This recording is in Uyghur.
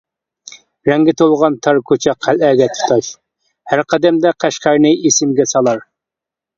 رەڭگە تولغان تار كوچا قەلئەگە تۇتاش، ھەر قەدەمدە قەشقەرنى ئېسىمگە سالار.